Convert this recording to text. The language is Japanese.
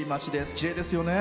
きれいですよね。